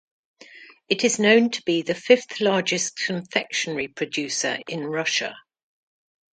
It is known to be the fifth largest confectionery producer in Russia.